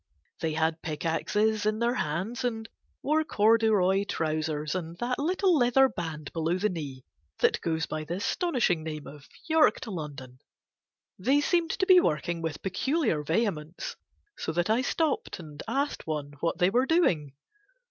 They had pickaxes in their hands and wore corduroy trousers and that little leather band below the knee that goes by the astonishing name of "York to London." They seemed to be working with peculiar vehemence, so that I stopped and asked one what they were doing.